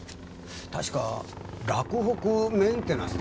確か洛北メンテナンスだったかな。